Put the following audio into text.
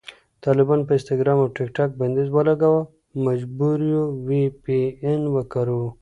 طالبانو په انسټاګرام او ټیکټاک بندیز ولګاوو، مجبور یو وي پي این وکاروو